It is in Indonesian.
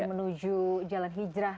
menuju jalan hijrah